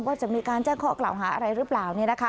ว่าจะมีการแจ้งข้อกล่าวหาอะไรหรือเปล่า